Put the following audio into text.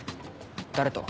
誰と？